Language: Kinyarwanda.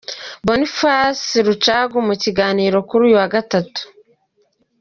Boniface Rucagu mu kiganiro kuri uyu wa gatatu.